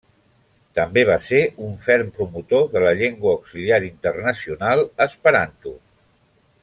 També va ser un ferm promotor de la llengua auxiliar internacional esperanto.